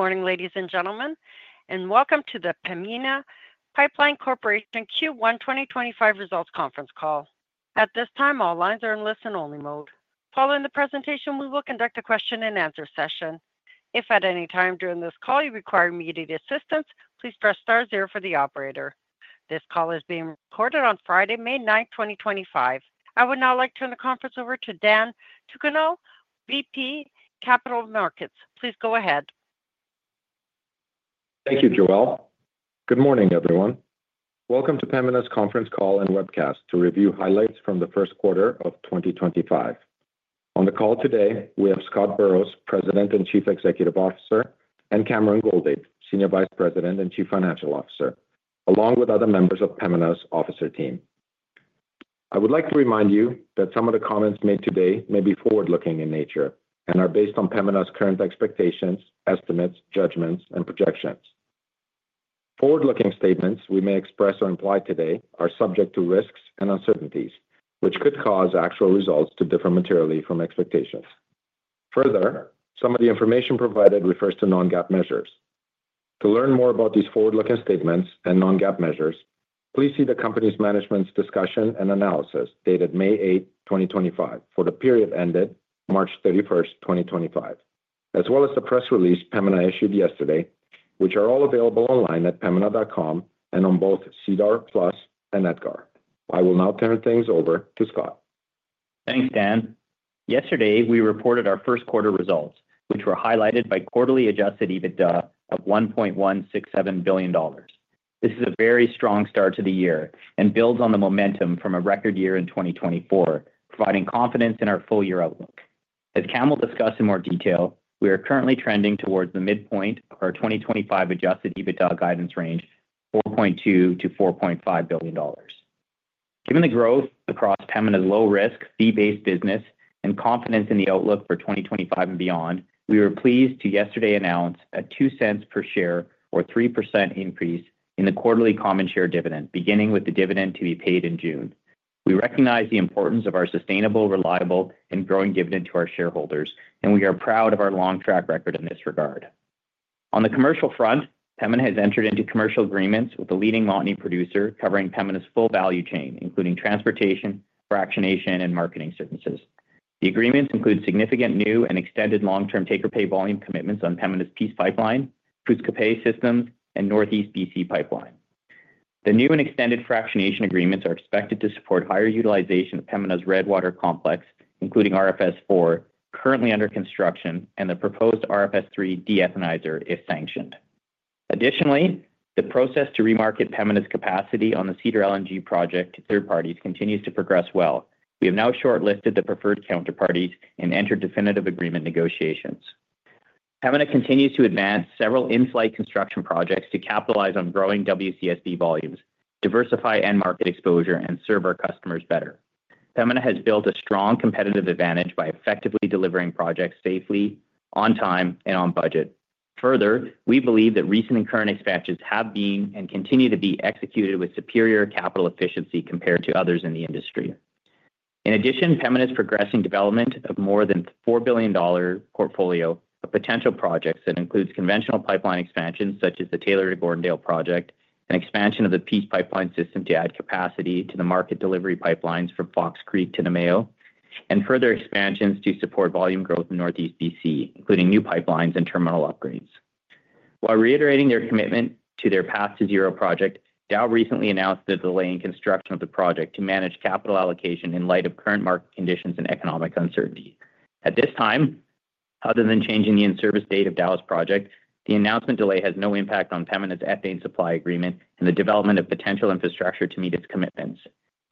Morning, ladies and gentlemen, and welcome to the Pembina Pipeline Corporation Q1 2025 results conference call. At this time, all lines are in listen-only mode. Following the presentation, we will conduct a question-and-answer session. If at any time during this call you require immediate assistance, please press *0 for the operator. This call is being recorded on Friday, May 9, 2025. I would now like to turn the conference over to Dan Tucunel, VP Capital Markets. Please go ahead. Thank you, Joelle. Good morning, everyone. Welcome to Pembina's conference call and webcast to review highlights from the first quarter of 2025. On the call today, we have Scott Burrows, President and Chief Executive Officer, and Cameron Goldade, Senior Vice President and Chief Financial Officer, along with other members of Pembina's officer team. I would like to remind you that some of the comments made today may be forward-looking in nature and are based on Pembina's current expectations, estimates, judgments, and projections. Forward-looking statements we may express or imply today are subject to risks and uncertainties, which could cause actual results to differ materially from expectations. Further, some of the information provided refers to non-GAAP measures. To learn more about these forward-looking statements and non-GAAP measures, please see the company's management's discussion and analysis dated May 8, 2025, for the period ended March 31, 2025, as well as the press release Pembina issued yesterday, which are all available online at pembina.com and on both SEDAR+ and NetGuard. I will now turn things over to Scott. Thanks, Dan. Yesterday, we reported our first quarter results, which were highlighted by quarterly adjusted EBITDA of 1.167 billion dollars. This is a very strong start to the year and builds on the momentum from a record year in 2024, providing confidence in our full-year outlook. As Cam will discuss in more detail, we are currently trending towards the midpoint of our 2025 adjusted EBITDA guidance range, 4.2 billion-4.5 billion dollars. Given the growth across Pembina's low-risk, fee-based business and confidence in the outlook for 2025 and beyond, we were pleased to yesterday announce a 0.02 per share or 3% increase in the quarterly common share dividend, beginning with the dividend to be paid in June. We recognize the importance of our sustainable, reliable, and growing dividend to our shareholders, and we are proud of our long track record in this regard. On the commercial front, Pembina has entered into commercial agreements with the leading Montney producer covering Pembina's full value chain, including transportation, fractionation, and marketing services. The agreements include significant new and extended long-term take-or-pay volume commitments on Pembina's Peace Pipeline, [PRUSKA Pay Systems], and Northeast B.C. pipeline. The new and extended fractionation agreements are expected to support higher utilization of Pembina's Redwater complex, including RFS IV, currently under construction, and the proposed RFS III de-ethanizer if sanctioned. Additionally, the process to remarket Pembina's capacity on the Cedar LNG Project to third parties continues to progress well. We have now shortlisted the preferred counterparties and entered definitive agreement negotiations. Pembina continues to advance several in-flight construction projects to capitalize on growing WCSB volumes, diversify end market exposure, and serve our customers better. Pembina has built a strong competitive advantage by effectively delivering projects safely, on time, and on budget. Further, we believe that recent and current expansions have been and continue to be executed with superior capital efficiency compared to others in the industry. In addition, Pembina's progressing development of more than 4 billion dollar portfolio of potential projects includes conventional pipeline expansions such as the Taylor to Gordondale project, an expansion of the Peace Pipeline system to add capacity to the market delivery pipelines from Fox Creek to Namao, and further expansions to support volume growth in Northeast B.C. including new pipelines and terminal upgrades. While reiterating their commitment to their Path2Zero project, Dow recently announced the delay in construction of the project to manage capital allocation in light of current market conditions and economic uncertainty. At this time, other than changing the in-service date of Dow's project, the announcement delay has no impact on Pembina's ethane supply agreement and the development of potential infrastructure to meet its commitments.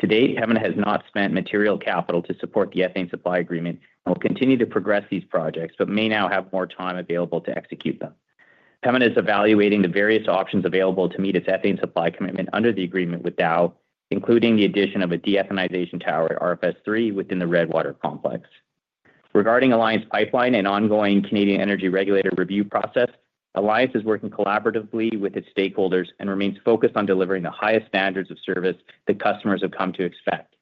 To date, Pembina has not spent material capital to support the ethane supply agreement and will continue to progress these projects but may now have more time available to execute them. Pembina is evaluating the various options available to meet its ethane supply commitment under the agreement with Dow, including the addition of a de-ethanization tower, RFS III, within the Redwater complex. Regarding Alliance Pipeline and ongoing Canadian Energy Regulator review process, Alliance is working collaboratively with its stakeholders and remains focused on delivering the highest standards of service that customers have come to expect.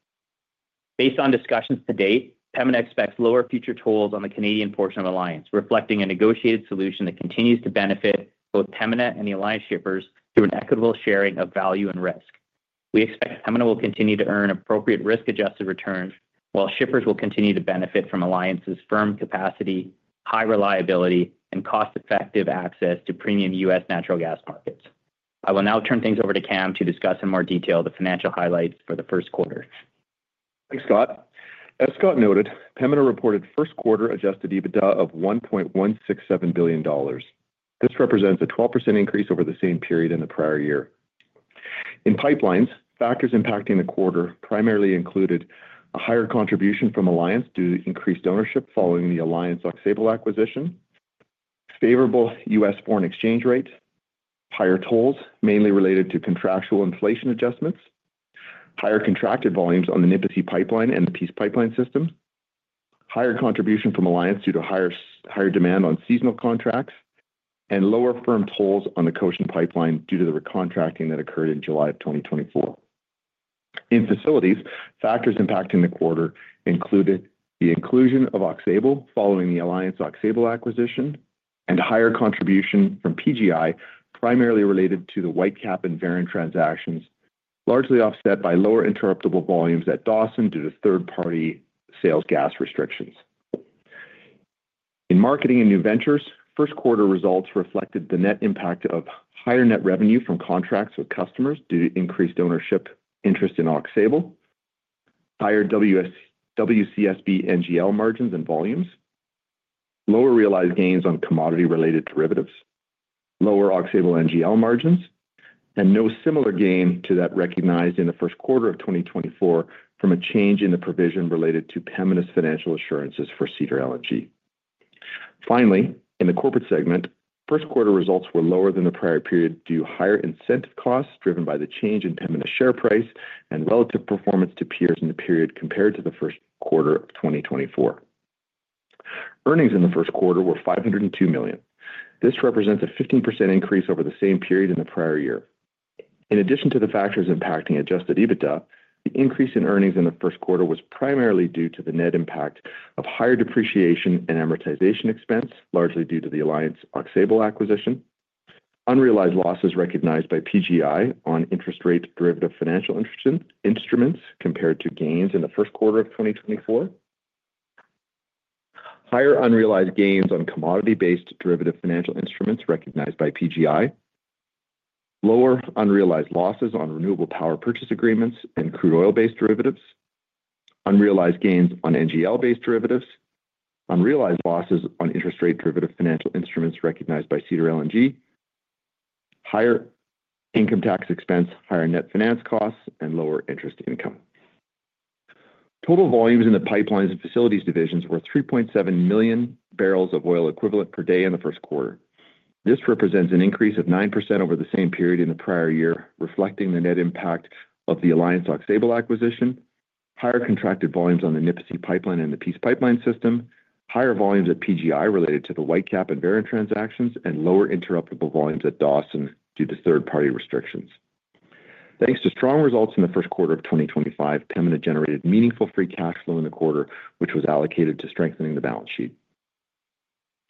Based on discussions to date, Pembina expects lower future tolls on the Canadian portion of Alliance, reflecting a negotiated solution that continues to benefit both Pembina and the Alliance shippers through an equitable sharing of value and risk. We expect Pembina will continue to earn appropriate risk-adjusted returns while shippers will continue to benefit from Alliance's firm capacity, high reliability, and cost-effective access to premium U.S. natural gas markets. I will now turn things over to Cam to discuss in more detail the financial highlights for the first quarter. Thanks, Scott. As Scott noted, Pembina reported first quarter adjusted EBITDA of 1.167 billion dollars. This represents a 12% increase over the same period in the prior year. In pipelines, factors impacting the quarter primarily included a higher contribution from Alliance due to increased ownership following the Alliance Aux Sable acquisition, favorable U.S. foreign exchange rate, higher tolls mainly related to contractual inflation adjustments, higher contracted volumes on the Nipisi pipeline and the Peace pipeline system, higher contribution from Alliance due to higher demand on seasonal contracts, and lower firm tolls on the Cochin pipeline due to the recontracting that occurred in July of 2024. In facilities, factors impacting the quarter included the inclusion of Aux Sable following the Alliance Aux Sable acquisition and higher contribution from PGI primarily related to the Whitecap and Veren transactions, largely offset by lower interruptible volumes at Dawson due to third-party sales gas restrictions. In marketing and new ventures, first quarter results reflected the net impact of higher net revenue from contracts with customers due to increased ownership interest in Aux Sable, higher WCSB NGL margins and volumes, lower realized gains on commodity-related derivatives, lower Aux Sable NGL margins, and no similar gain to that recognized in the first quarter of 2024 from a change in the provision related to Pembina's financial assurances for Cedar LNG. Finally, in the corporate segment, first quarter results were lower than the prior period due to higher incentive costs driven by the change in Pembina's share price and relative performance to peers in the period compared to the first quarter of 2024. Earnings in the first quarter were $502 million. This represents a 15% increase over the same period in the prior year. In addition to the factors impacting adjusted EBITDA, the increase in earnings in the first quarter was primarily due to the net impact of higher depreciation and amortization expense, largely due to the Alliance Aux Sable acquisition, unrealized losses recognized by PGI on interest-rate derivative financial instruments compared to gains in the first quarter of 2024, higher unrealized gains on commodity-based derivative financial instruments recognized by PGI, lower unrealized losses on renewable power purchase agreements and crude oil-based derivatives, unrealized gains on NGL-based derivatives, unrealized losses on interest-rate derivative financial instruments recognized by Cedar LNG, higher income tax expense, higher net finance costs, and lower interest income. Total volumes in the pipelines and facilities divisions were 3.7 million barrels of oil equivalent per day in the first quarter. This represents an increase of 9% over the same period in the prior year, reflecting the net impact of the Alliance Aux Sable acquisition, higher contracted volumes on the Nipissy pipeline and the Peace Pipeline System, higher volumes at PGI related to the Whitecap and Veren transactions, and lower interruptible volumes at Dawson due to third-party restrictions. Thanks to strong results in the first quarter of 2025, Pembina generated meaningful free cash flow in the quarter, which was allocated to strengthening the balance sheet.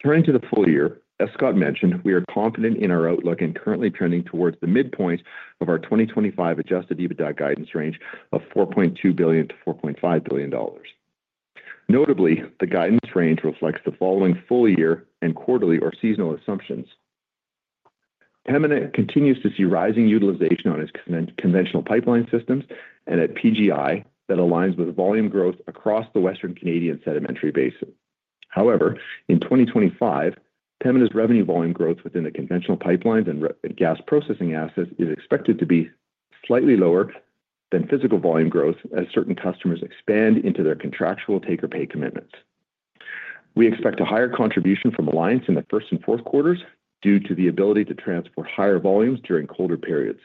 Turning to the full year, as Scott mentioned, we are confident in our outlook and currently trending towards the midpoint of our 2025 adjusted EBITDA guidance range of 4.2 billion-4.5 billion dollars. Notably, the guidance range reflects the following full-year and quarterly or seasonal assumptions. Pembina continues to see rising utilization on its conventional pipeline systems and at PGI that aligns with volume growth across the Western Canadian Sedimentary Basin. However, in 2025, Pembina's revenue volume growth within the conventional pipelines and gas processing assets is expected to be slightly lower than physical volume growth as certain customers expand into their contractual take-or-pay commitments. We expect a higher contribution from Alliance in the first and fourth quarters due to the ability to transport higher volumes during colder periods.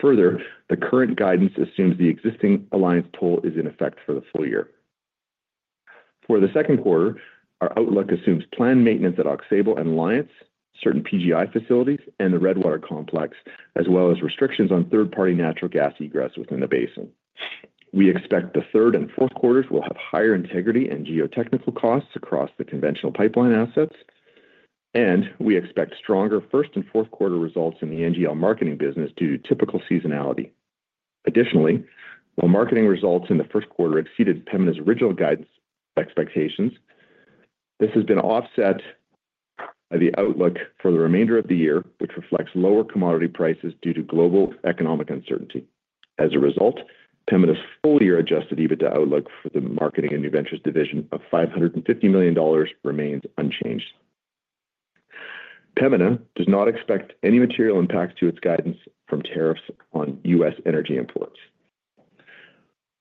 Further, the current guidance assumes the existing Alliance toll is in effect for the full year. For the second quarter, our outlook assumes planned maintenance at Aux Sable and Alliance, certain PGI facilities, and the Redwater complex, as well as restrictions on third-party natural gas egress within the basin. We expect the third and fourth quarters will have higher integrity and geotechnical costs across the conventional pipeline assets, and we expect stronger first and fourth quarter results in the NGL marketing business due to typical seasonality. Additionally, while marketing results in the first quarter exceeded Pembina's original guidance expectations, this has been offset by the outlook for the remainder of the year, which reflects lower commodity prices due to global economic uncertainty. As a result, Pembina's full-year adjusted EBITDA outlook for the marketing and new ventures division of 550 million dollars remains unchanged. Pembina does not expect any material impact to its guidance from tariffs on U.S. energy imports.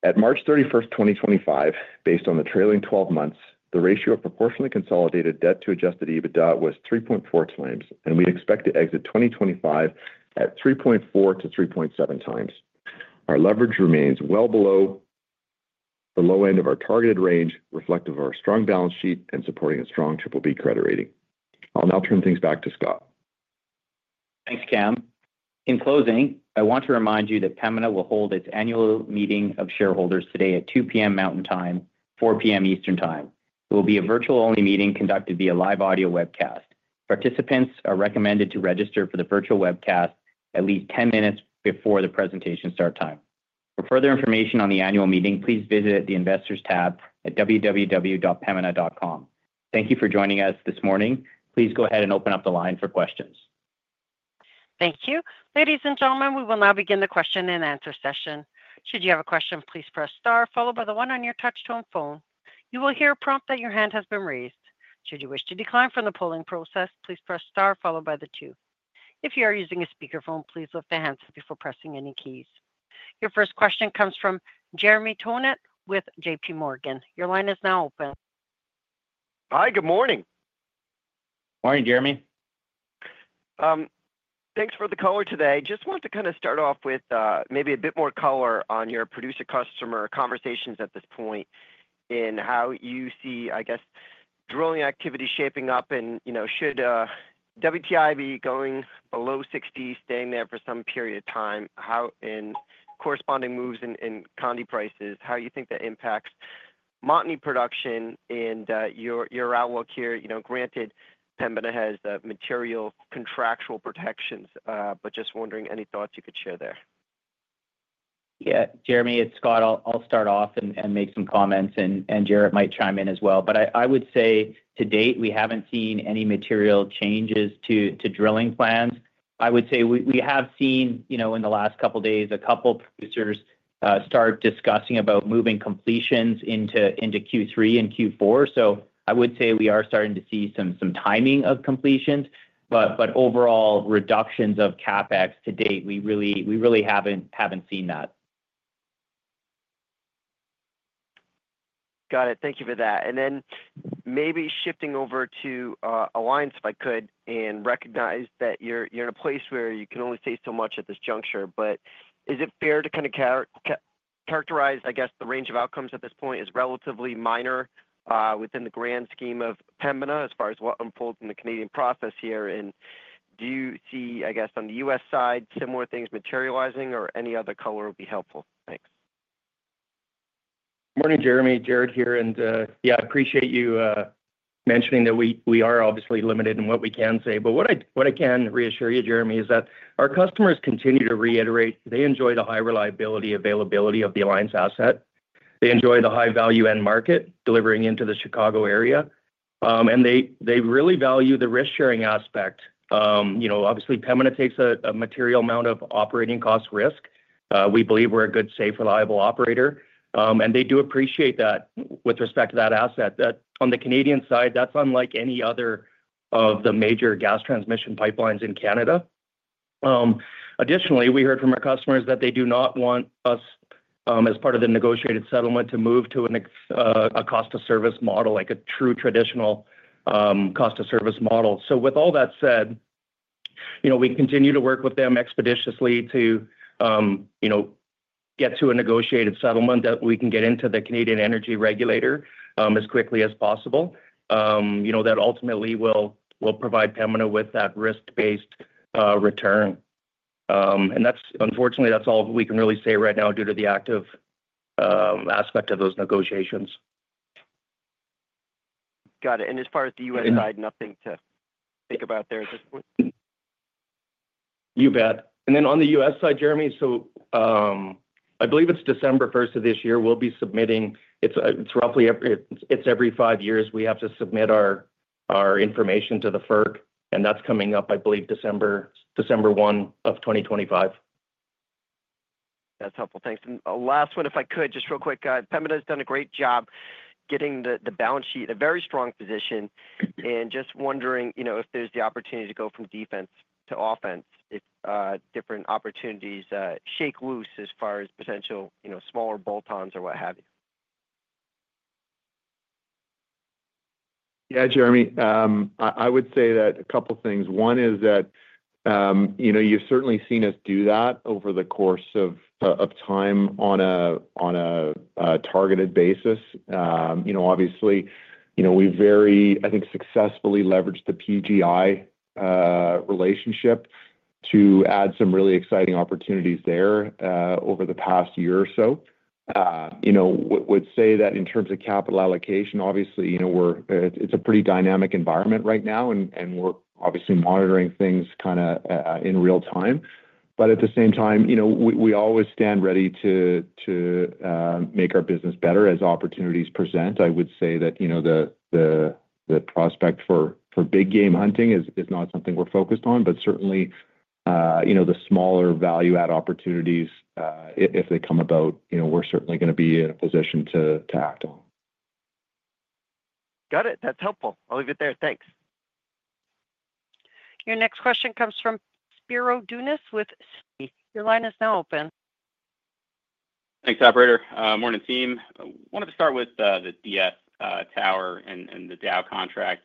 At March 31, 2025, based on the trailing 12 months, the ratio of proportionally consolidated debt to adjusted EBITDA was 3.4 times, and we expect to exit 2025 at 3.4-3.7 times. Our leverage remains well below the low end of our targeted range, reflective of our strong balance sheet and supporting a strong BBB credit rating. I'll now turn things back to Scott. Thanks, Cam. In closing, I want to remind you that Pembina will hold its annual meeting of shareholders today at 2:00 P.M. Mountain Time, 4:00 P.M. Eastern Time. It will be a virtual-only meeting conducted via live audio webcast. Participants are recommended to register for the virtual webcast at least 10 minutes before the presentation start time. For further information on the annual meeting, please visit the Investors tab at www.pembina.com. Thank you for joining us this morning. Please go ahead and open up the line for questions. Thank you. Ladies and gentlemen, we will now begin the question and answer session. Should you have a question, please press *, followed by the 1 on your touch-tone phone. You will hear a prompt that your hand has been raised. Should you wish to decline from the polling process, please press *, followed by the two. If you are using a speakerphone, please lift the handset before pressing any keys. Your first question comes from Jeremy Tonet with JPMorgan. Your line is now open. Hi, good morning. Morning, Jeremy. Thanks for the color today. Just wanted to kind of start off with maybe a bit more color on your producer-customer conversations at this point in how you see, I guess, drilling activity shaping up. Should WTI be going below 60, staying there for some period of time, and corresponding moves in condy prices, how you think that impacts Montney production and your outlook here? Granted, Pembina has material contractual protections, but just wondering any thoughts you could share there. Yeah, Jeremy, it's Scott. I'll start off and make some comments, and Jaret might chime in as well. I would say to date, we haven't seen any material changes to drilling plans. I would say we have seen in the last couple of days a couple of producers start discussing about moving completions into Q3 and Q4. I would say we are starting to see some timing of completions. Overall, reductions of CapEx to date, we really haven't seen that. Got it. Thank you for that. Maybe shifting over to Alliance, if I could, and recognize that you're in a place where you can only say so much at this juncture. Is it fair to kind of characterize, I guess, the range of outcomes at this point as relatively minor within the grand scheme of Pembina as far as what unfolds in the Canadian process here? Do you see, I guess, on the U.S. side, similar things materializing, or any other color would be helpful? Thanks. Morning, Jeremy. Jaret here. Yeah, I appreciate you mentioning that we are obviously limited in what we can say. What I can reassure you, Jeremy, is that our customers continue to reiterate they enjoy the high reliability and availability of the Alliance asset. They enjoy the high-value end market delivering into the Chicago area. They really value the risk-sharing aspect. Obviously, Pembina takes a material amount of operating cost risk. We believe we are a good, safe, reliable operator. They do appreciate that with respect to that asset. On the Canadian side, that is unlike any other of the major gas transmission pipelines in Canada. Additionally, we heard from our customers that they do not want us, as part of the negotiated settlement, to move to a cost-of-service model like a true traditional cost-of-service model. With all that said, we continue to work with them expeditiously to get to a negotiated settlement that we can get into the Canadian Energy Regulator as quickly as possible. That ultimately will provide Pembina with that risk-based return. Unfortunately, that's all we can really say right now due to the active aspect of those negotiations. Got it. As far as the U.S. side, nothing to think about there at this point? You bet. On the U.S. side, Jeremy, I believe it is December 1 of this year. We will be submitting, it is roughly every five years we have to submit our information to the FERC, and that is coming up, I believe, December 1 of 2025. That's helpful. Thanks. Last one, if I could, just real quick. Pembina has done a great job getting the balance sheet in a very strong position. Just wondering if there's the opportunity to go from defense to offense, if different opportunities shake loose as far as potential smaller bolt-ons or what have you? Yeah, Jeremy, I would say that a couple of things. One is that you've certainly seen us do that over the course of time on a targeted basis. Obviously, we very, I think, successfully leveraged the PGI relationship to add some really exciting opportunities there over the past year or so. I would say that in terms of capital allocation, obviously, it's a pretty dynamic environment right now, and we're obviously monitoring things kind of in real time. At the same time, we always stand ready to make our business better as opportunities present. I would say that the prospect for big game hunting is not something we're focused on, but certainly the smaller value-add opportunities, if they come about, we're certainly going to be in a position to act on. Got it. That's helpful. I'll leave it there. Thanks. Your next question comes from Spiro Dounis with Citi. Your line is now open. Thanks, operator. Morning, team. I wanted to start with the DS Tower and the Dow contract.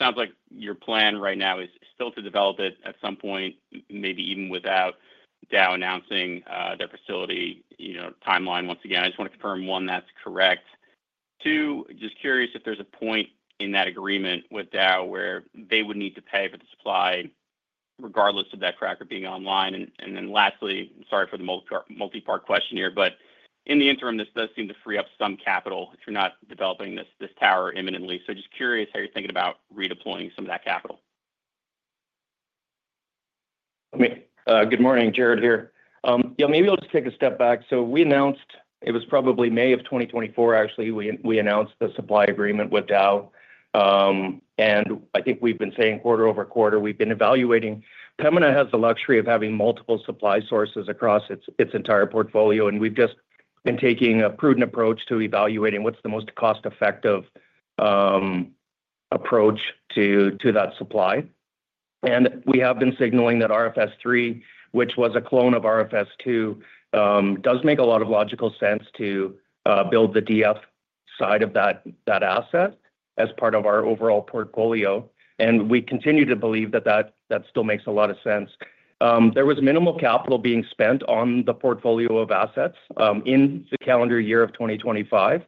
Sounds like your plan right now is still to develop it at some point, maybe even without Dow announcing their facility timeline. Once again, I just want to confirm, one, that's correct. Two, just curious if there's a point in that agreement with Dow where they would need to pay for the supply regardless of that tracker being online. And then lastly, sorry for the multi-part question here, but in the interim, this does seem to free up some capital if you're not developing this tower imminently. Just curious how you're thinking about redeploying some of that capital? Good morning, Jaret here. Yeah, maybe I'll just take a step back. We announced it was probably May of 2024, actually, we announced the supply agreement with Dow. I think we've been saying quarter over quarter, we've been evaluating. Pembina has the luxury of having multiple supply sources across its entire portfolio, and we've just been taking a prudent approach to evaluating what's the most cost-effective approach to that supply. We have been signaling that RFS III, which was a clone of RFS II, does make a lot of logical sense to build the DF side of that asset as part of our overall portfolio. We continue to believe that that still makes a lot of sense. There was minimal capital being spent on the portfolio of assets in the calendar year of 2025.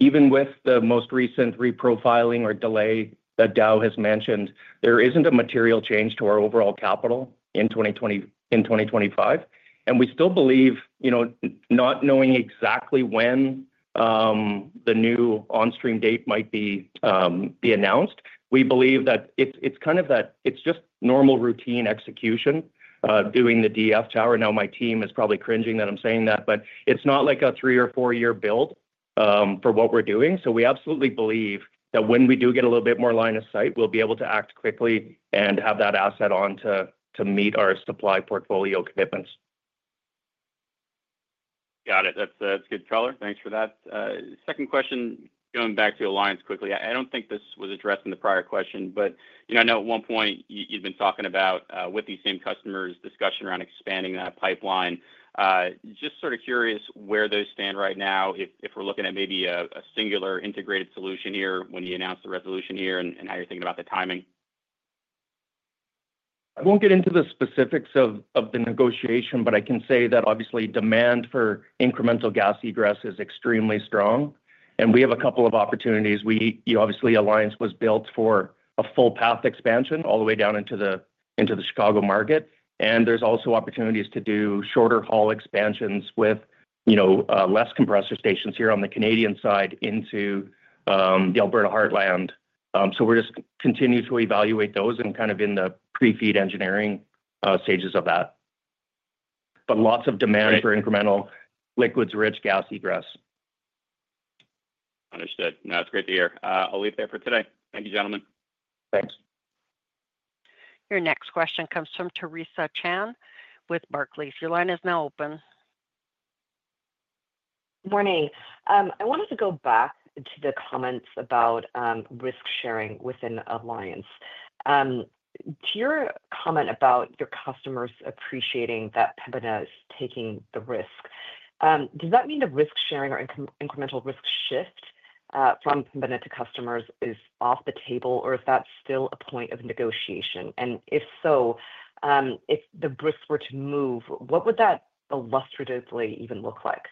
Even with the most recent reprofiling or delay that Dow has mentioned, there is not a material change to our overall capital in 2025. We still believe, not knowing exactly when the new on-stream date might be announced, that it is just normal routine execution doing the DF tower. Now, my team is probably cringing that I am saying that, but it is not like a three- or four-year build for what we are doing. We absolutely believe that when we do get a little bit more line of sight, we will be able to act quickly and have that asset on to meet our supply portfolio commitments. Got it. That's good color. Thanks for that. Second question, going back to Alliance quickly. I don't think this was addressed in the prior question, but I know at one point you'd been talking about with these same customers discussion around expanding that pipeline. Just sort of curious where those stand right now if we're looking at maybe a singular integrated solution here when you announced the resolution here and how you're thinking about the timing? I won't get into the specifics of the negotiation, but I can say that obviously demand for incremental gas egress is extremely strong. We have a couple of opportunities. Obviously, Alliance was built for a full path expansion all the way down into the Chicago market. There are also opportunities to do shorter haul expansions with fewer compressor stations here on the Canadian side into the Alberta Heartland. We are just continuing to evaluate those and kind of in the pre-FEED engineering stages of that. Lots of demand for incremental liquids-rich gas egress. Understood. No, that's great to hear. I'll leave it there for today. Thank you, gentlemen. Thanks. Your next question comes from Theresa Chen with Barclays. Your line is now open. Morning. I wanted to go back to the comments about risk sharing within Alliance. To your comment about your customers appreciating that Pembina is taking the risk, does that mean the risk sharing or incremental risk shift from Pembina to customers is off the table, or is that still a point of negotiation? If so, if the risks were to move, what would that illustratively even look like?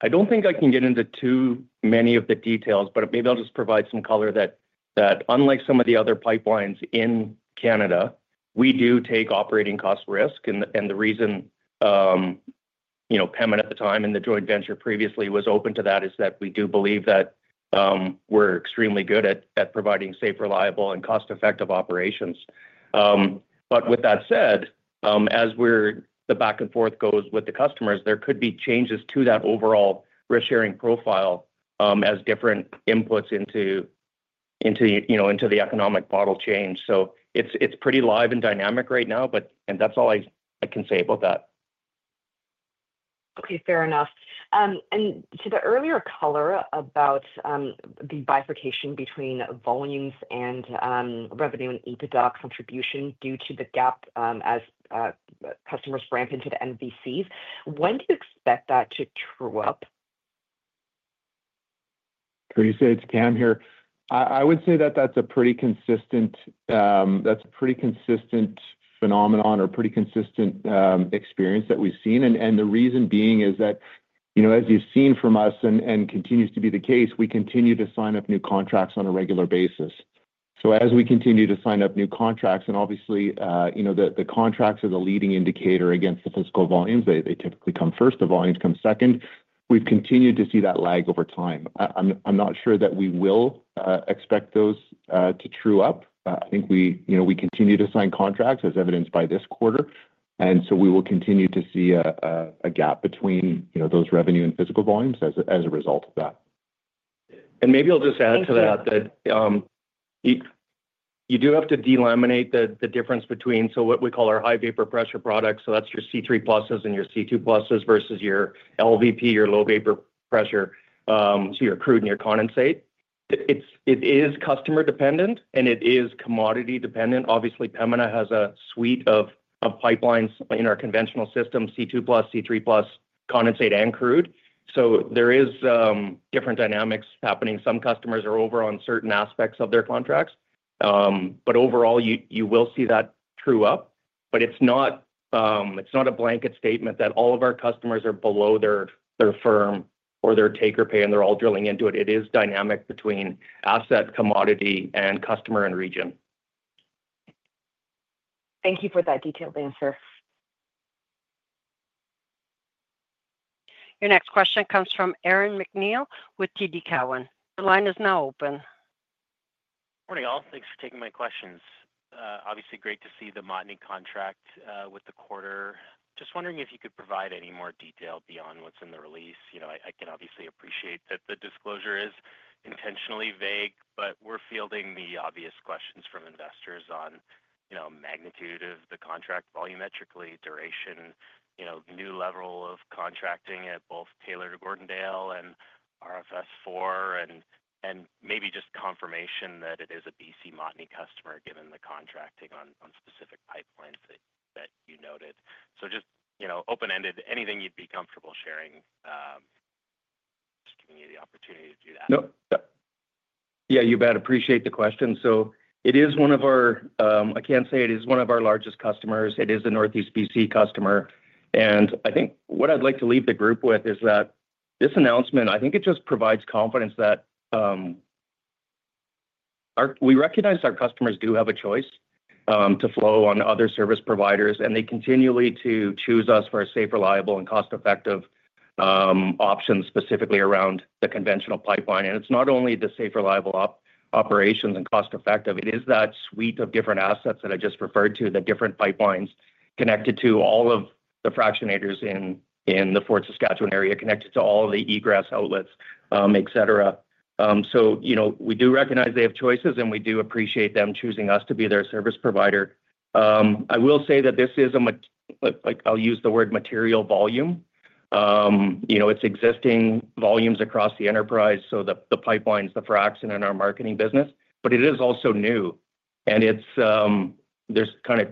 I don't think I can get into too many of the details, but maybe I'll just provide some color that unlike some of the other pipelines in Canada, we do take operating cost risk. The reason Pembina at the time and the joint venture previously was open to that is that we do believe that we're extremely good at providing safe, reliable, and cost-effective operations. With that said, as the back and forth goes with the customers, there could be changes to that overall risk-sharing profile as different inputs into the economic model change. It's pretty live and dynamic right now, and that's all I can say about that. Okay. Fair enough. To the earlier color about the bifurcation between volumes and revenue and EBITDA contribution due to the gap as customers ramp into the NVC, when do you expect that to true up? Can you say, it's Cam here. I would say that that's a pretty consistent phenomenon or pretty consistent experience that we've seen. The reason being is that as you've seen from us and continues to be the case, we continue to sign up new contracts on a regular basis. As we continue to sign up new contracts, and obviously, the contracts are the leading indicator against the physical volumes. They typically come first. The volumes come second. We've continued to see that lag over time. I'm not sure that we will expect those to true up. I think we continue to sign contracts as evidenced by this quarter. We will continue to see a gap between those revenue and physical volumes as a result of that. Maybe I'll just add to that that you do have to delineate the difference between what we call our high vapor pressure products. So that's your C3 pluses and your C2 pluses versus your LVP, your low vapor pressure, so your crude and your condensate. It is customer-dependent, and it is commodity-dependent. Obviously, Pembina has a suite of pipelines in our conventional system, C2 plus, C3 plus, condensate, and crude. There are different dynamics happening. Some customers are over on certain aspects of their contracts. Overall, you will see that true up. It's not a blanket statement that all of our customers are below their firm or their take-or-pay, and they're all drilling into it. It is dynamic between asset, commodity, customer, and region. Thank you for that detailed answer. Your next question comes from Aaron MacNeil with TD Cowen. The line is now open. Morning, all. Thanks for taking my questions. Obviously, great to see the Montney contract with the quarter. Just wondering if you could provide any more detail beyond what's in the release. I can obviously appreciate that the disclosure is intentionally vague, but we're fielding the obvious questions from investors on magnitude of the contract volumetrically, duration, new level of contracting at both Taylor to Gordondale and RFS IV, and maybe just confirmation that it is a B.C. Montney customer given the contracting on specific pipelines that you noted. Just open-ended, anything you'd be comfortable sharing, just giving you the opportunity to do that. Yeah, you bet. Appreciate the question. It is one of our—I cannot say it is one of our largest customers. It is a Northeast B.C. customer. I think what I would like to leave the group with is that this announcement, I think it just provides confidence that we recognize our customers do have a choice to flow on other service providers, and they continually choose us for a safe, reliable, and cost-effective option specifically around the conventional pipeline. It is not only the safe, reliable operations and cost-effective. It is that suite of different assets that I just referred to, the different pipelines connected to all of the fractionators in the Fort Saskatchewan area, connected to all of the egress outlets, etc. We do recognize they have choices, and we do appreciate them choosing us to be their service provider. I will say that this is a—I'll use the word material volume. It's existing volumes across the enterprise, so the pipelines, the fractionation in our marketing business, but it is also new. There is kind of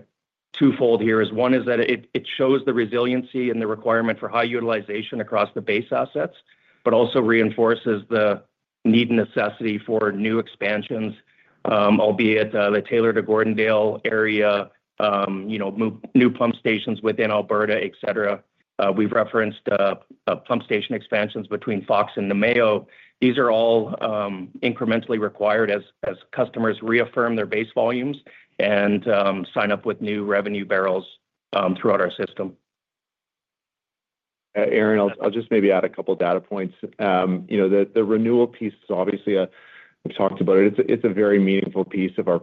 twofold here. One is that it shows the resiliency and the requirement for high utilization across the base assets, but it also reinforces the need and necessity for new expansions, albeit the Taylor to Gordondale area, new pump stations within Alberta, etc. We've referenced pump station expansions between Fox Creek and Namao. These are all incrementally required as customers reaffirm their base volumes and sign up with new revenue barrels throughout our system. Aaron, I'll just maybe add a couple of data points. The renewal piece is obviously—we've talked about it. It's a very meaningful piece of our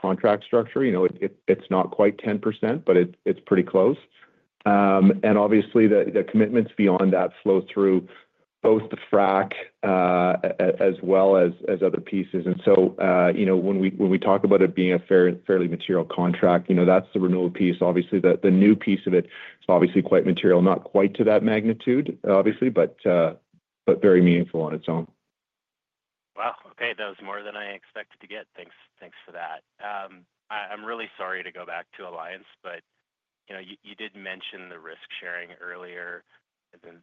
contract structure. It's not quite 10%, but it's pretty close. Obviously, the commitments beyond that flow through both the frac as well as other pieces. When we talk about it being a fairly material contract, that's the renewal piece. Obviously, the new piece of it is quite material, not quite to that magnitude, obviously, but very meaningful on its own. Wow. Okay. That was more than I expected to get. Thanks for that. I'm really sorry to go back to Alliance, but you did mention the risk sharing earlier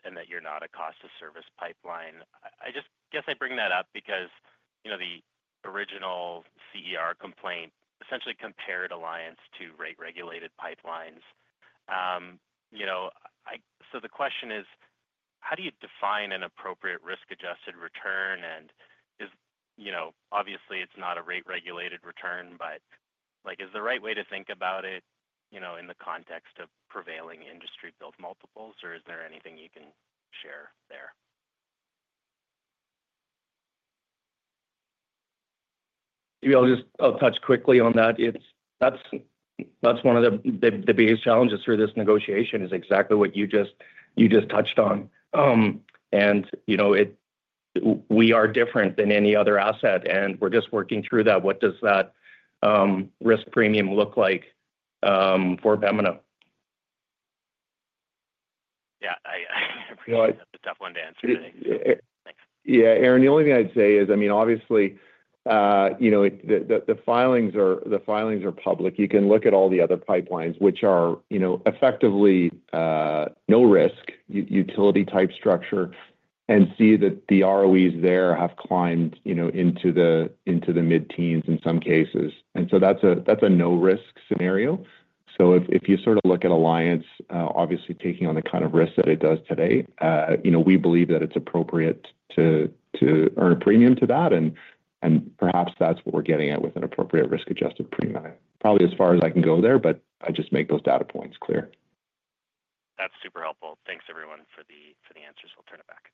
and that you're not a cost-of-service pipeline. I guess I bring that up because the original CER complaint essentially compared Alliance to rate-regulated pipelines. The question is, how do you define an appropriate risk-adjusted return? Obviously, it's not a rate-regulated return, but is the right way to think about it in the context of prevailing industry-built multiples, or is there anything you can share there? Maybe I'll touch quickly on that. That's one of the biggest challenges through this negotiation is exactly what you just touched on. We are different than any other asset, and we're just working through that. What does that risk premium look like for Pembina? Yeah. I appreciate that. That's a tough one to answer. Thanks. Yeah. Aaron, the only thing I'd say is, I mean, obviously, the filings are public. You can look at all the other pipelines, which are effectively no risk, utility-type structure, and see that the ROEs there have climbed into the mid-teens in some cases. That is a no-risk scenario. If you sort of look at Alliance, obviously taking on the kind of risk that it does today, we believe that it's appropriate to earn a premium to that. Perhaps that's what we're getting at with an appropriate risk-adjusted premium. Probably as far as I can go there, but I just make those data points clear. That's super helpful. Thanks, everyone, for the answers. We'll turn it back.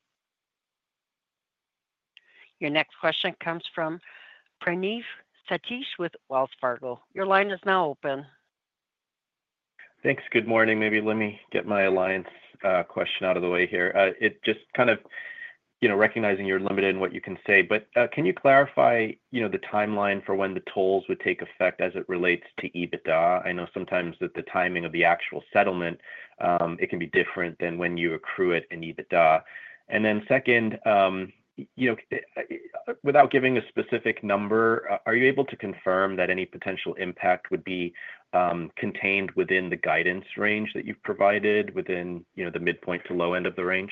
Your next question comes from Praneeth Satish with Wells Fargo. Your line is now open. Thanks. Good morning. Maybe let me get my Alliance question out of the way here. Just kind of recognizing you're limited in what you can say, but can you clarify the timeline for when the tolls would take effect as it relates to EBITDA? I know sometimes that the timing of the actual settlement, it can be different than when you accrue it in EBITDA. Then second, without giving a specific number, are you able to confirm that any potential impact would be contained within the guidance range that you've provided within the midpoint to low end of the range?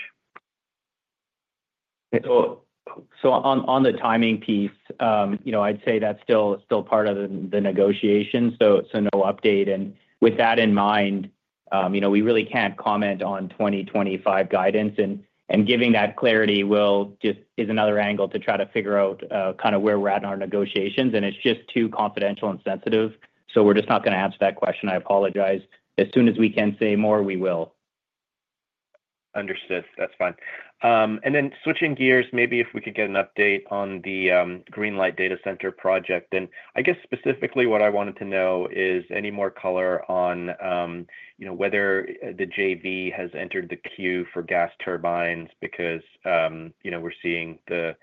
On the timing piece, I'd say that's still part of the negotiation. No update. With that in mind, we really can't comment on 2025 guidance. Giving that clarity is another angle to try to figure out kind of where we're at in our negotiations. It's just too confidential and sensitive. We're just not going to answer that question. I apologize. As soon as we can say more, we will. Understood. That's fine. Switching gears, maybe if we could get an update on the Greenlight Electricity Center project. I guess specifically what I wanted to know is any more color on whether the JV has entered the queue for gas turbines because we're seeing the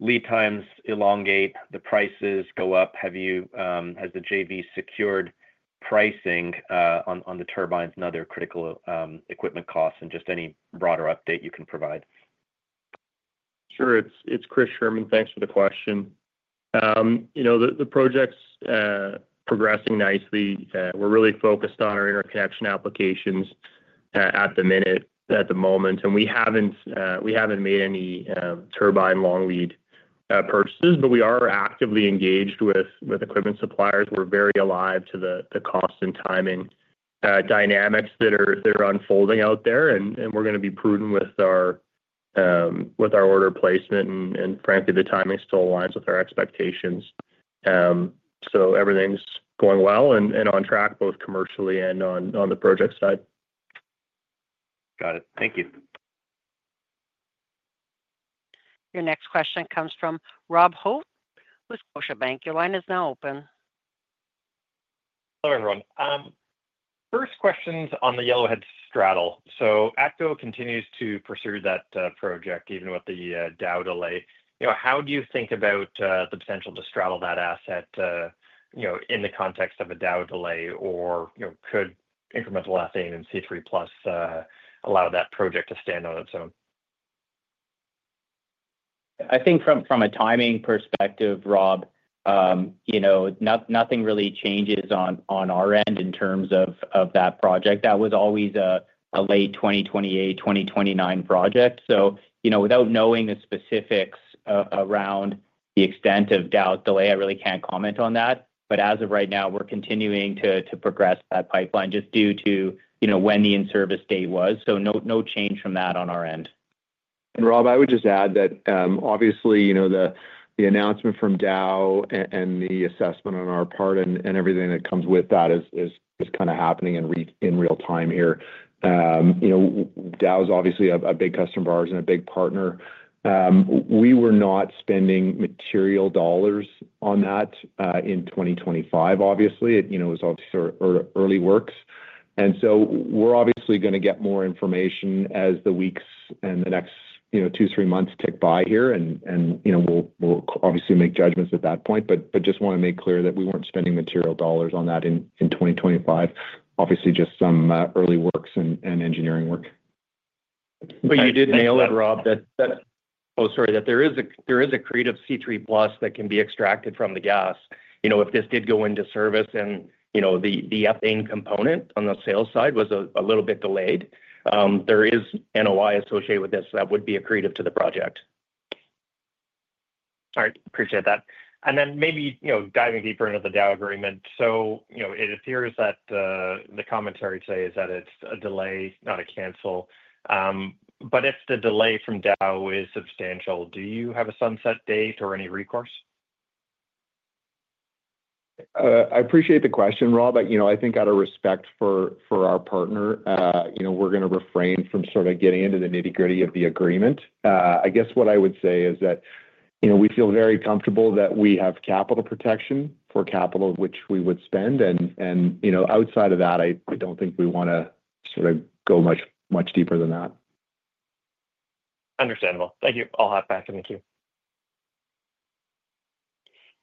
lead times elongate, the prices go up. Has the JV secured pricing on the turbines and other critical equipment costs and just any broader update you can provide? Sure. It's Chris Sherman. Thanks for the question. The project's progressing nicely. We're really focused on our interconnection applications at the minute, at the moment. We haven't made any turbine long lead purchases, but we are actively engaged with equipment suppliers. We're very alive to the cost and timing dynamics that are unfolding out there. We're going to be prudent with our order placement. Frankly, the timing still aligns with our expectations. Everything's going well and on track both commercially and on the project side. Got it. Thank you. Your next question comes from Robert Hope with Scotiabank. Your line is now open. Hello, everyone. First question on the Yellowhead straddle. So ATCO continues to pursue that project even with the Dow delay. How do you think about the potential to straddle that asset in the context of a Dow delay? Could incremental ethane and C3 plus allow that project to stand on its own? I think from a timing perspective, Rob, nothing really changes on our end in terms of that project. That was always a late 2028, 2029 project. Without knowing the specifics around the extent of Dow delay, I really can't comment on that. As of right now, we're continuing to progress that pipeline just due to when the in-service date was. No change from that on our end. Rob, I would just add that obviously, the announcement from Dow and the assessment on our part and everything that comes with that is kind of happening in real time here. Dow is obviously a big customer of ours and a big partner. We were not spending material dollars on that in 2025, obviously. It was obviously early works. We're obviously going to get more information as the weeks and the next two, three months tick by here. We'll obviously make judgments at that point. I just want to make clear that we were not spending material dollars on that in 2025. Obviously, just some early works and engineering work. You did nail it, Rob. Oh, sorry. There is a creative C3 plus that can be extracted from the gas. If this did go into service and the ethane component on the sales side was a little bit delayed, there is NOI associated with this that would be accretive to the project. All right. Appreciate that. Maybe diving deeper into the Dow agreement. It appears that the commentary today is that it is a delay, not a cancel. If the delay from Dow is substantial, do you have a sunset date or any recourse? I appreciate the question, Rob. I think out of respect for our partner, we're going to refrain from sort of getting into the nitty-gritty of the agreement. I guess what I would say is that we feel very comfortable that we have capital protection for capital which we would spend. Outside of that, I don't think we want to sort of go much deeper than that. Understandable. Thank you. I'll hop back in the queue.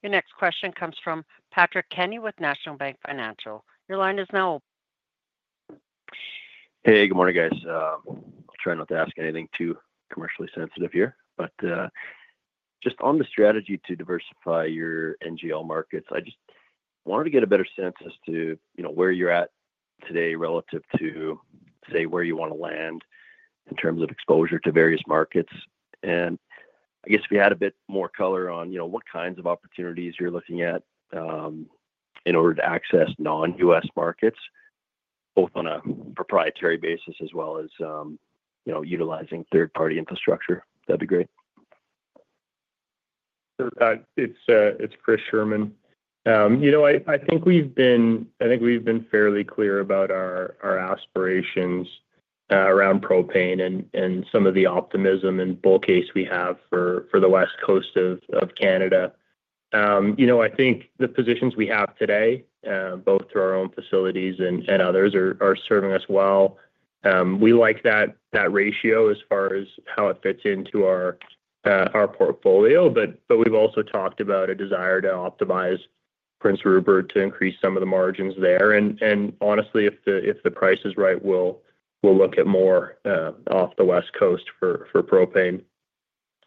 Your next question comes from Patrick Kenny with National Bank Financial. Your line is now open. Hey, good morning, guys. I'll try not to ask anything too commercially sensitive here. Just on the strategy to diversify your NGL markets, I just wanted to get a better sense as to where you're at today relative to, say, where you want to land in terms of exposure to various markets. I guess if you had a bit more color on what kinds of opportunities you're looking at in order to access non-US markets, both on a proprietary basis as well as utilizing third-party infrastructure, that'd be great. It's Chris Sherman. I think we've been fairly clear about our aspirations around propane and some of the optimism and bull case we have for the West Coast of Canada. I think the positions we have today, both through our own facilities and others, are serving us well. We like that ratio as far as how it fits into our portfolio. We have also talked about a desire to optimize Prince Rupert to increase some of the margins there. Honestly, if the price is right, we'll look at more off the West Coast for propane.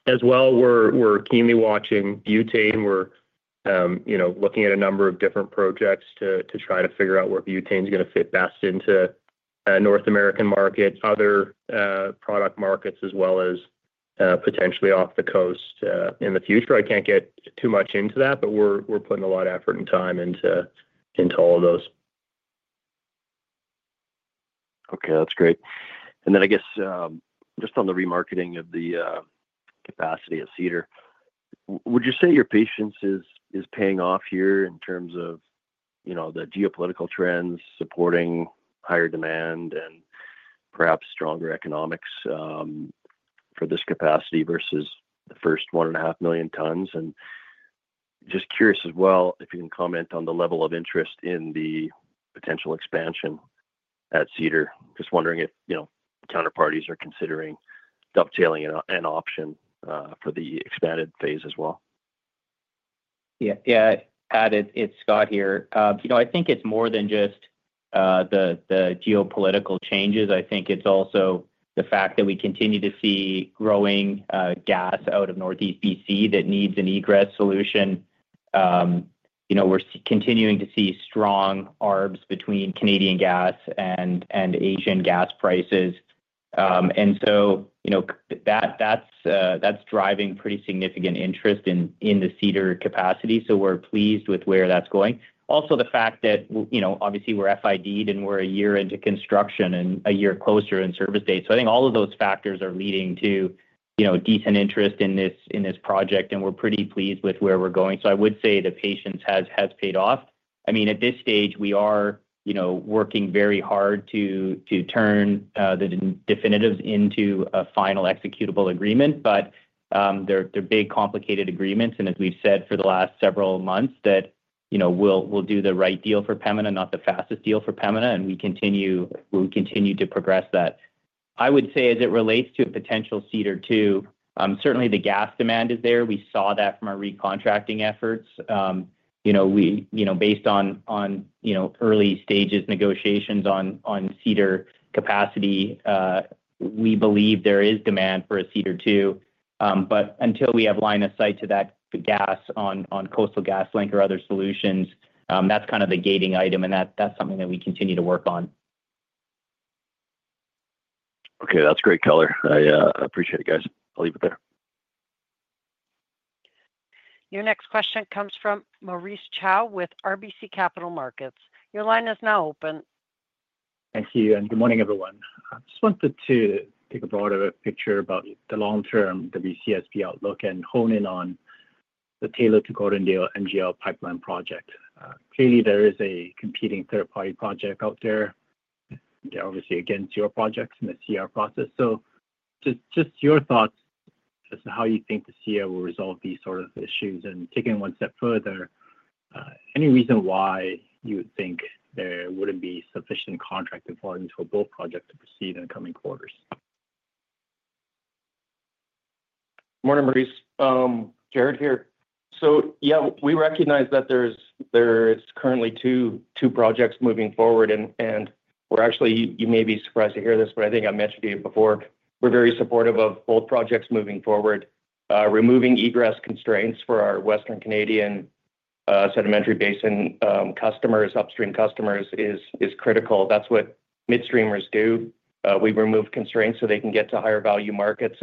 As well, we're keenly watching butane. We're looking at a number of different projects to try to figure out where butane is going to fit best into North American markets, other product markets, as well as potentially off the coast in the future. I can't get too much into that, but we're putting a lot of effort and time into all of those. Okay. That's great. I guess just on the remarketing of the capacity of Cedar, would you say your patience is paying off here in terms of the geopolitical trends supporting higher demand and perhaps stronger economics for this capacity versus the first 1.5 million tons? I am just curious as well if you can comment on the level of interest in the potential expansion at Cedar. Just wondering if counterparties are considering dovetailing an option for the expanded phase as well. Yeah. Yeah. Added, it's Scott here. I think it's more than just the geopolitical changes. I think it's also the fact that we continue to see growing gas out of Northeast B.C. that needs an egress solution. We're continuing to see strong ARBs between Canadian gas and Asian gas prices. That is driving pretty significant interest in the Cedar capacity. We are pleased with where that's going. Also, the fact that obviously we're FID'd and we're a year into construction and a year closer in service date. I think all of those factors are leading to decent interest in this project. We are pretty pleased with where we're going. I would say the patience has paid off. I mean, at this stage, we are working very hard to turn the definitives into a final executable agreement. They are big, complicated agreements. As we have said for the last several months, we will do the right deal for Pembina, not the fastest deal for Pembina. We continue to progress that. I would say as it relates to a potential Cedar II, certainly the gas demand is there. We saw that from our recontracting efforts. Based on early stages negotiations on Cedar capacity, we believe there is demand for a Cedar II. Until we have line of sight to that gas on Coastal GasLink or other solutions, that is kind of the gating item. That is something that we continue to work on. Okay. That's great color. I appreciate it, guys. I'll leave it there. Your next question comes from Maurice Choy with RBC Capital Markets. Your line is now open. Thank you. Good morning, everyone. I just wanted to take a broader picture about the long-term WCSB outlook and hone in on the Taylor to Gordondale NGL pipeline project. Clearly, there is a competing third-party project out there. They are obviously against your projects in the CER process. Just your thoughts as to how you think the CER will resolve these sort of issues and taking one step further, any reason why you would think there would not be sufficient contracting volumes for both projects to proceed in the coming quarters? Morning, Maurice. Jaret here. Yeah, we recognize that there's currently two projects moving forward. You may be surprised to hear this, but I think I mentioned to you before, we're very supportive of both projects moving forward. Removing egress constraints for our Western Canadian Sedimentary Basin customers, upstream customers, is critical. That's what midstreamers do. We remove constraints so they can get to higher value markets.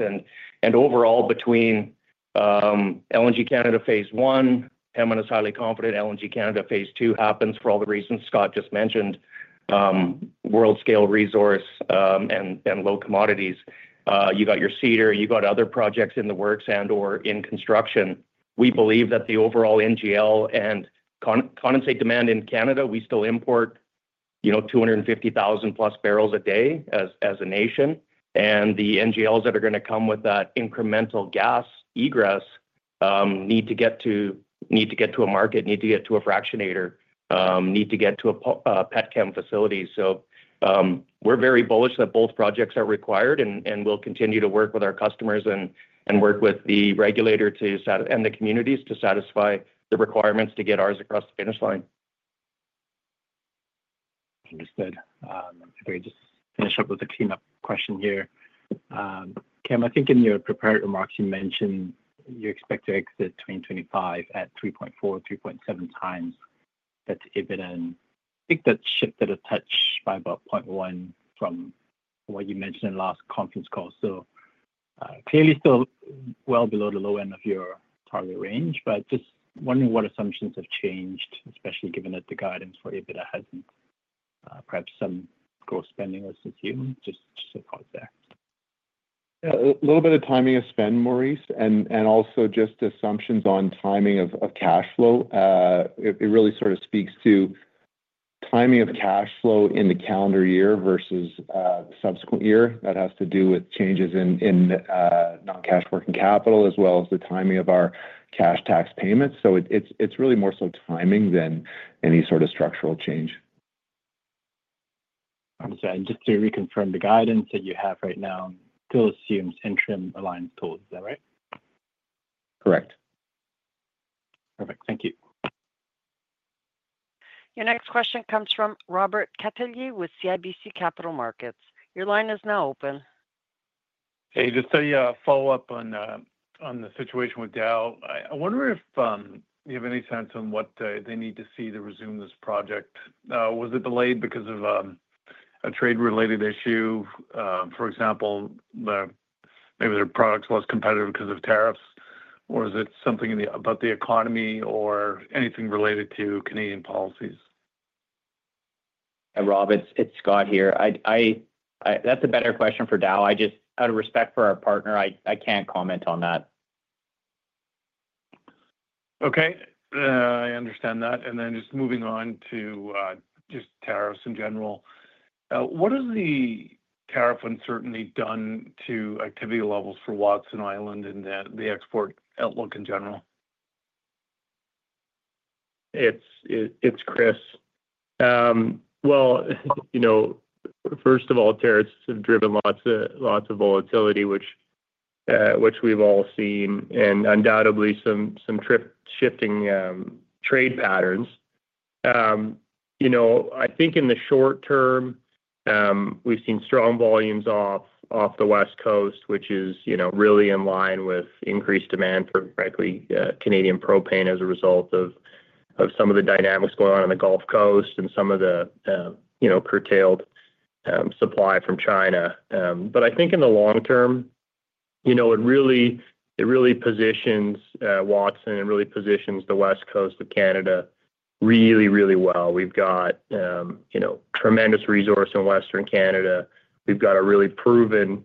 Overall, between LNG Canada phase one, Pembina is highly confident LNG Canada phase two happens for all the reasons Scott just mentioned: world-scale resource and low commodities. You got your Cedar. You got other projects in the works and/or in construction. We believe that the overall NGL and condensate demand in Canada, we still import 250,000-plus barrels a day as a nation. The NGLs that are going to come with that incremental gas egress need to get to a market, need to get to a fractionator, need to get to a [PETCAM] facility. We are very bullish that both projects are required. We will continue to work with our customers and work with the regulator and the communities to satisfy the requirements to get ours across the finish line. Understood. I'm going to just finish up with a clean-up question here. Cam, I think in your prepared remarks, you mentioned you expect to exit 2025 at 3.4-3.7 times that EBITDA. I think that shifted a touch by about 0.1 from what you mentioned in last conference call. Clearly still well below the low end of your target range. Just wondering what assumptions have changed, especially given that the guidance for EBITDA hasn't, perhaps some growth spending, let's assume. Just a thought there. Yeah. A little bit of timing of spend, Maurice. And also just assumptions on timing of cash flow. It really sort of speaks to timing of cash flow in the calendar year versus subsequent year. That has to do with changes in non-cash working capital as well as the timing of our cash tax payments. It is really more so timing than any sort of structural change. I'm sorry. Just to reconfirm, the guidance that you have right now still assumes interim aligned tolls. Is that right? Correct. Perfect. Thank you. Your next question comes from Robert Catellier with CIBC Capital Markets. Your line is now open. Hey, just a follow-up on the situation with Dow. I wonder if you have any sense on what they need to see to resume this project. Was it delayed because of a trade-related issue? For example, maybe their products were less competitive because of tariffs. Or is it something about the economy or anything related to Canadian policies? Yeah, Rob, it's Scott here. That's a better question for Dow. Out of respect for our partner, I can't comment on that. Okay. I understand that. And then just moving on to just tariffs in general. What has the tariff uncertainty done to activity levels for Watson Island and the export outlook in general? It's Chris. First of all, tariffs have driven lots of volatility, which we've all seen, and undoubtedly some shifting trade patterns. I think in the short term, we've seen strong volumes off the West Coast, which is really in line with increased demand for, frankly, Canadian propane as a result of some of the dynamics going on in the Gulf Coast and some of the curtailed supply from China. I think in the long term, it really positions Watson and really positions the West Coast of Canada really, really well. We've got tremendous resource in Western Canada. We've got a really proven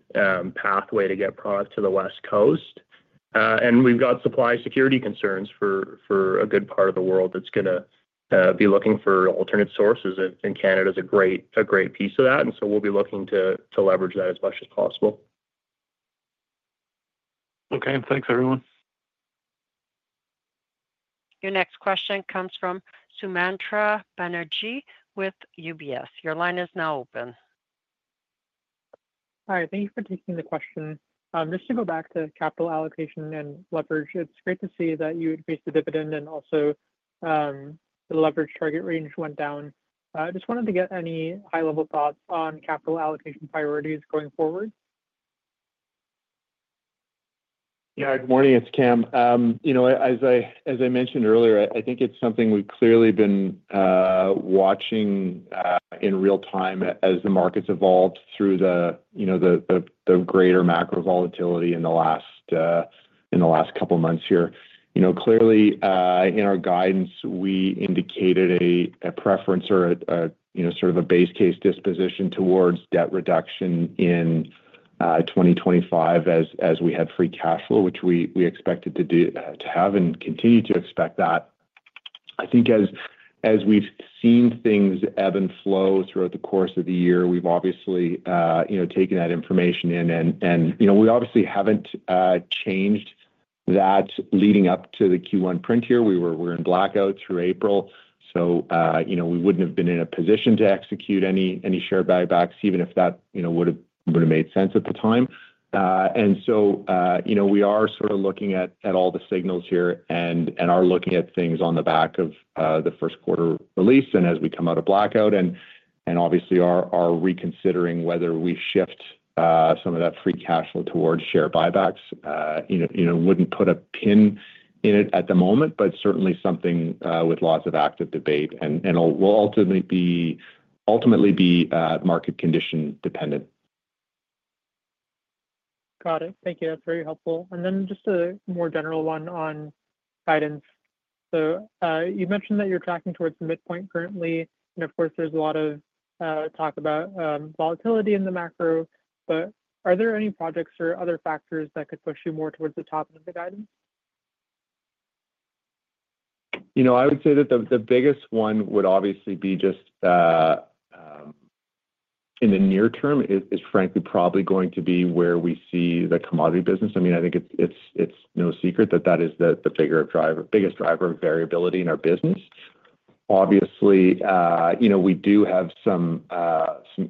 pathway to get product to the West Coast. We've got supply security concerns for a good part of the world that's going to be looking for alternate sources. Canada is a great piece of that. We will be looking to leverage that as much as possible. Okay. Thanks, everyone. Your next question comes from Sumantra Banerjee with UBS. Your line is now open. Hi. Thank you for taking the question. Just to go back to capital allocation and leverage, it's great to see that you increased the dividend and also the leverage target range went down. Just wanted to get any high-level thoughts on capital allocation priorities going forward. Yeah. Good morning. It's Cam. As I mentioned earlier, I think it's something we've clearly been watching in real time as the markets evolved through the greater macro volatility in the last couple of months here. Clearly, in our guidance, we indicated a preference or sort of a base case disposition towards debt reduction in 2025 as we had free cash flow, which we expected to have and continue to expect that. I think as we've seen things ebb and flow throughout the course of the year, we've obviously taken that information in. We obviously haven't changed that leading up to the Q1 print here. We were in blackout through April. We wouldn't have been in a position to execute any share buybacks, even if that would have made sense at the time. We are sort of looking at all the signals here and are looking at things on the back of the first quarter release and as we come out of blackout. Obviously, are reconsidering whether we shift some of that free cash flow towards share buybacks. Would not put a pin in it at the moment, but certainly something with lots of active debate and will ultimately be market condition dependent. Got it. Thank you. That's very helpful. Just a more general one on guidance. You've mentioned that you're tracking towards the midpoint currently. Of course, there's a lot of talk about volatility in the macro. Are there any projects or other factors that could push you more towards the top end of the guidance? I would say that the biggest one would obviously be just in the near term is, frankly, probably going to be where we see the commodity business. I mean, I think it's no secret that that is the biggest driver of variability in our business. Obviously, we do have some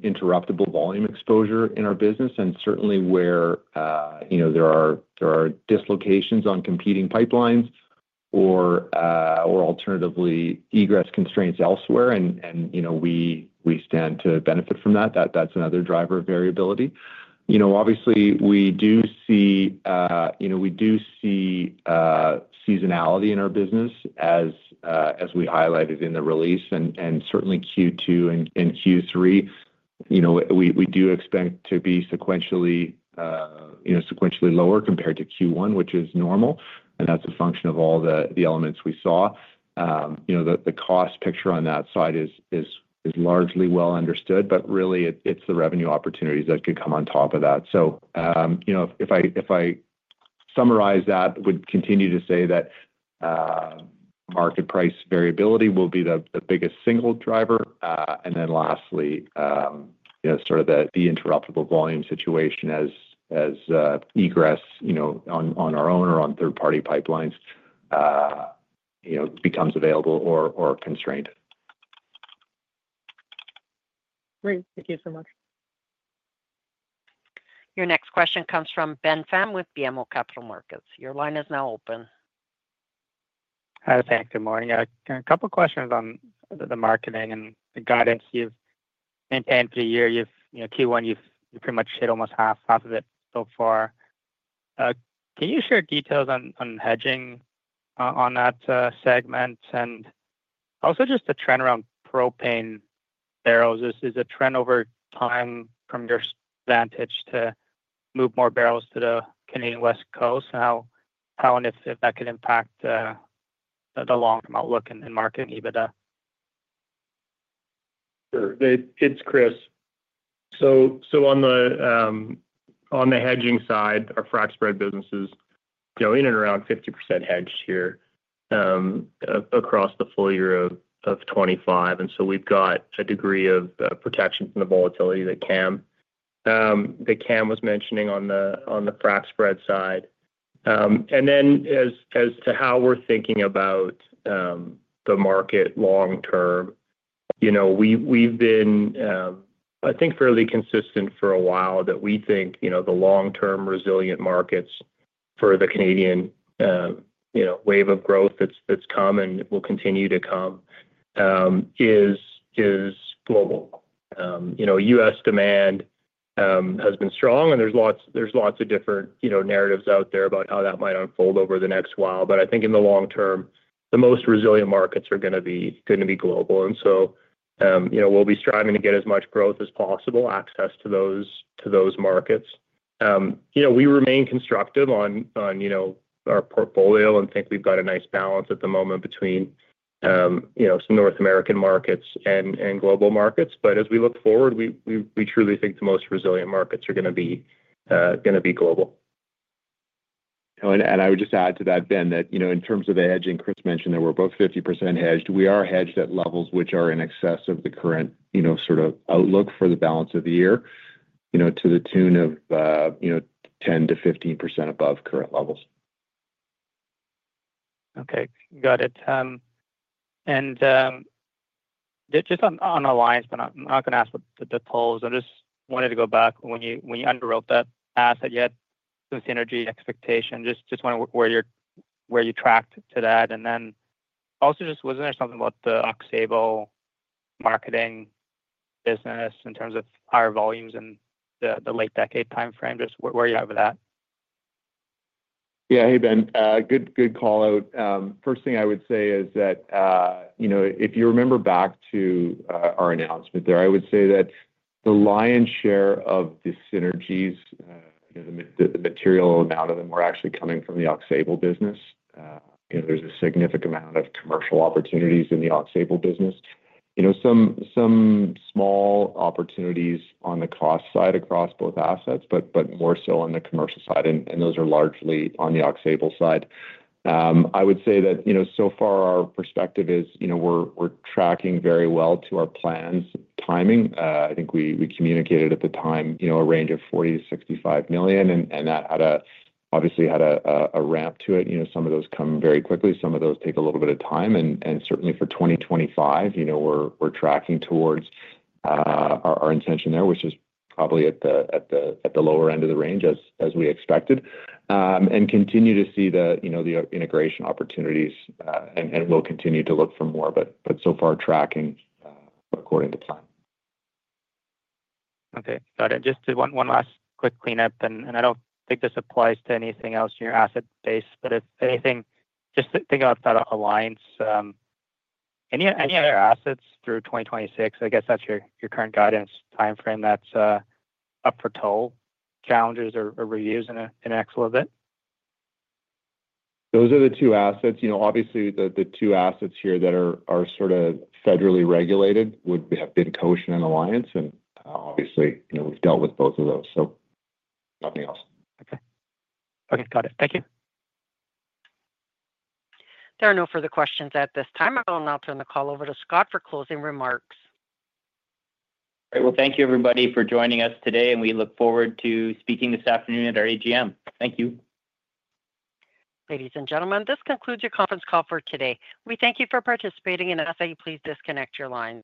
interruptible volume exposure in our business. Certainly, where there are dislocations on competing pipelines or alternatively egress constraints elsewhere, and we stand to benefit from that, that's another driver of variability. Obviously, we do see seasonality in our business as we highlighted in the release. Certainly, Q2 and Q3, we do expect to be sequentially lower compared to Q1, which is normal. That's a function of all the elements we saw. The cost picture on that side is largely well understood. Really, it's the revenue opportunities that could come on top of that. If I summarize that, I would continue to say that market price variability will be the biggest single driver. Lastly, sort of the interruptible volume situation as egress on our own or on third-party pipelines becomes available or constrained. Great. Thank you so much. Your next question comes from Ben Pham with BMO Capital Markets. Your line is now open. Hi, Ben. Good morning. A couple of questions on the marketing and the guidance you have maintained for the year. Q1, you have pretty much hit almost half of it so far. Can you share details on hedging on that segment? Also, just the trend around propane barrels. Is the trend over time from your vantage to move more barrels to the Canadian West Coast? How and if that could impact the long-term outlook in marketing EBITDA? Sure. It's Chris. On the hedging side, our frac spread businesses go in at around 50% hedged here across the full year of 2025. We have a degree of protection from the volatility that Kem was mentioning on the frac spread side. As to how we are thinking about the market long-term, we have been, I think, fairly consistent for a while that we think the long-term resilient markets for the Canadian wave of growth that has come and will continue to come is global. US demand has been strong. There are lots of different narratives out there about how that might unfold over the next while. I think in the long term, the most resilient markets are going to be global. We will be striving to get as much growth as possible, access to those markets. We remain constructive on our portfolio and think we've got a nice balance at the moment between some North American markets and global markets. As we look forward, we truly think the most resilient markets are going to be global. I would just add to that, Ben, that in terms of the hedging, Chris mentioned that we're both 50% hedged. We are hedged at levels which are in excess of the current sort of outlook for the balance of the year to the tune of 10-15% above current levels. Okay. Got it. Just on Alliance, but I'm not going to ask the polls. I just wanted to go back. When you underwrote that asset, you had some synergy expectation. Just want to where you tracked to that. Also, just wasn't there something about the Aux Sable marketing business in terms of higher volumes in the late decade timeframe? Just where are you over that? Yeah. Hey, Ben. Good call out. First thing I would say is that if you remember back to our announcement there, I would say that the lion's share of the synergies, the material amount of them were actually coming from the Aux Sable business. There is a significant amount of commercial opportunities in the Aux Sable business. Some small opportunities on the cost side across both assets, but more so on the commercial side. Those are largely on the Aux Sable side. I would say that so far, our perspective is we're tracking very well to our plans' timing. I think we communicated at the time a range of 40 million-65 million. That obviously had a ramp to it. Some of those come very quickly. Some of those take a little bit of time. Certainly for 2025, we're tracking towards our intention there, which is probably at the lower end of the range as we expected. We continue to see the integration opportunities. We'll continue to look for more. So far, tracking according to plan. Okay. Got it. Just one last quick cleanup. I do not think this applies to anything else in your asset base. If anything, just think about that Alliance. Any other assets through 2026? I guess that is your current guidance timeframe that is up for toll challenges or reviews in an excellent bit? Those are the two assets. Obviously, the two assets here that are sort of federally regulated would have been Cohsen and Alliance. Obviously, we've dealt with both of those. Nothing else. Okay. Okay. Got it. Thank you. There are no further questions at this time. I will now turn the call over to Scott for closing remarks. All right. Thank you, everybody, for joining us today. We look forward to speaking this afternoon at our AGM. Thank you. Ladies and gentlemen, this concludes your conference call for today. We thank you for participating. Please disconnect your lines.